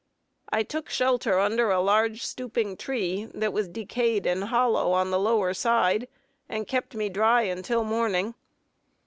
I took shelter under a large stooping tree that was decayed and hollow on the lower side, and kept me dry until morning.